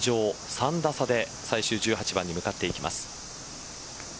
３打差で最終１８番に向かっていきます。